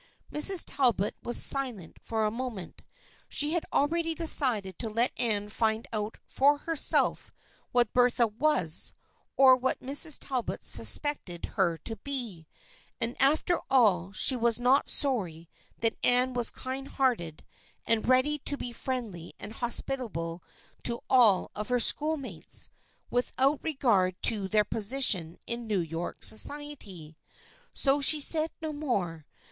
Mrs. Talbot was silent for a moment. She had already decided to let Anne find out for herself what Bertha was, or what Mrs. Talbot suspected her to be, and after all she was not sorry that Anne was kind hearted and ready to be friendly and hospitable to all of her schoolmates, without regard to their position in New York society. So she said no more.